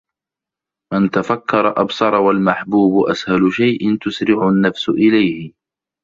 مَنْ تَفَكَّرَ أَبْصَرَ وَالْمَحْبُوبُ أَسْهَلُ شَيْءٍ تُسْرِعُ النَّفْسُ إلَيْهِ